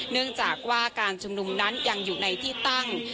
เนื่องจากว่าการชุมนุมนั้นยังอยู่ในที่ตั้ง